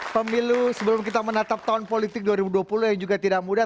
pemilu sebelum kita menatap tahun politik dua ribu dua puluh yang juga tidak mudah